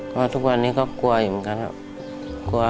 ก็ทุกวันนี้ก็กลัวอยู่เหมือนกันครับ